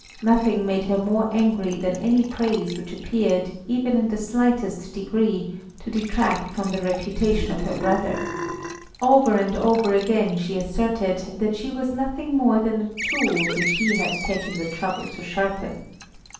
Nothing made her more angry than any praise which appeared, even in the slightest degree, to detract from the reputation of her brother; over and over again she asserted that she was nothing more than a tool which he had taken the trouble to sharpen.